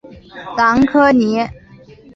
朗科尼。